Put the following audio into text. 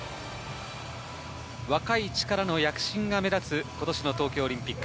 若い力の躍進が目立つ今年の東京オリンピック。